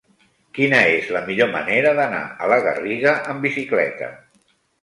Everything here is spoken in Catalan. Quina és la millor manera d'anar a la Garriga amb bicicleta?